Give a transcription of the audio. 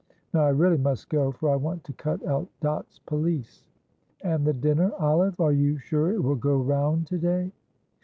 Now I really must go, for I want to cut out Dot's pelisse." "And the dinner, Olive; are you sure it will go round to day?"